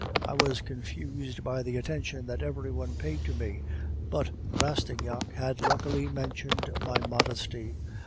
I was confused by the attention that every one paid to me; but Rastignac had luckily mentioned my modesty.